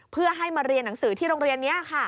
เพื่อให้มาเรียนหนังสือที่โรงเรียนนี้ค่ะ